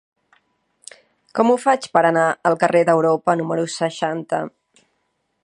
Com ho faig per anar al carrer d'Europa número seixanta?